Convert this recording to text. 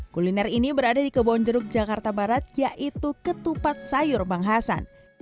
kuliner ini berada di kebonjeruk jakarta barat yaitu ketupat sayur bang hasan